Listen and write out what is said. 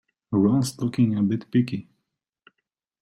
Ron's looking a bit peaky.